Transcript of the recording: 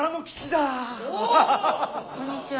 こんにちは。